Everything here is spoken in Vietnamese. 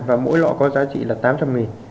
và mỗi loại có giá trị là tám trăm linh miền